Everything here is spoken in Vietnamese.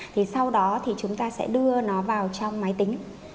thì sau đó thì chúng ta sẽ đưa nó vào trong máy tính